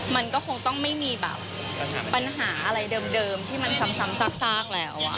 มันก็คงต้องไม่มีแบบปัญหาอะไรเดิมที่มันซ้ำซากแล้ว